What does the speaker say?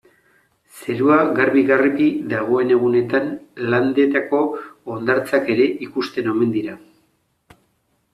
Zerua garbi-garbi dagoen egunetan Landetako hondartzak ere ikusten omen dira.